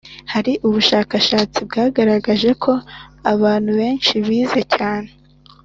Hari ubushakashatsi bwagaragaje ko abantu benshi bize cyane